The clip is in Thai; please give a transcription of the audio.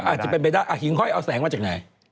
อ่าหิ่งห้อยเอาแสงมาจากไหน